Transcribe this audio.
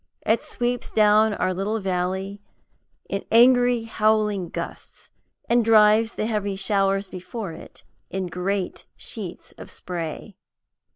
It sweeps down our little valley in angry howling gusts, and drives the heavy showers before it in great sheets of spray.